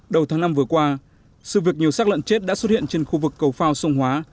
đầu tháng năm vừa qua sự việc nhiều sắc lợn chết đã xuất hiện trên khu vực cầu phao sông hóa